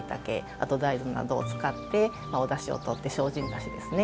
あと大豆などを使っておだしを取って精進だしですね。